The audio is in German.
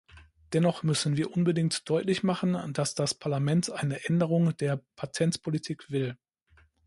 Dennoch müssen wir unbedingt deutlich machen, dass das Parlament eine Änderung der Patentpolitik will.